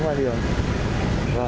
rồi rất là cảm ơn